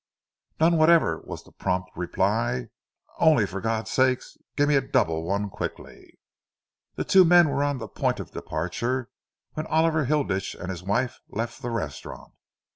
"None whatever," was the prompt reply, "only, for God's sake, give me a double one quickly!" The two men were on the point of departure when Oliver Hilditch and his wife left the restaurant.